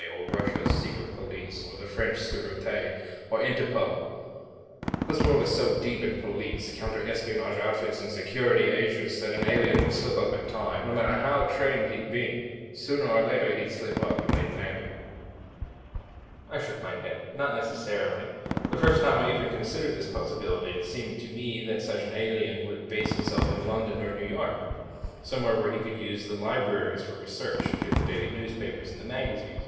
or Russia's secret police, or the French Sûreté, or Interpol. This world is so deep in police, counter espionage outfits and security agents that an alien would slip up in time, no matter how much he'd been trained. Sooner or later, he'd slip up, and they'd nab him." I shook my head. "Not necessarily. The first time I ever considered this possibility, it seemed to me that such an alien would base himself in London or New York. Somewhere where he could use the libraries for research, get the daily newspapers and the magazines.